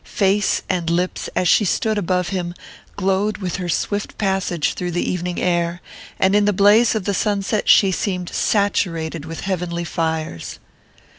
Face and lips, as she stood above him, glowed with her swift passage through the evening air, and in the blaze of the sunset she seemed saturated with heavenly fires.